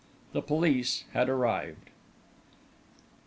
The police had arrived.